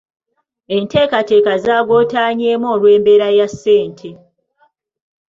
Enteekateeka zaagootaanyeemu olw'embeera ya ssente.